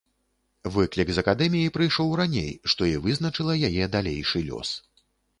Выклік з акадэміі прыйшоў раней, што і вызначыла яе далейшы лёс.